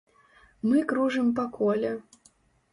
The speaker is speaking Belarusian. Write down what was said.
Мы кружым па коле.